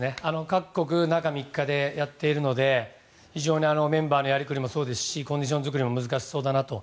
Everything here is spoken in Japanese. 各国、中３日でやっているので非常にメンバーのやりくりもそうですしコンディション作りも難しそうだなと。